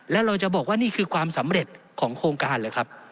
แล้วเราจะบอกว่านี่คือความสำเร็จของโครงการเหรอครับ